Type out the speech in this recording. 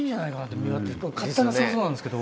勝手な想像なんですけど。